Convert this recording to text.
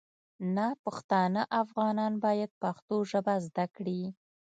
ناپښتانه افغانان باید پښتو ژبه زده کړي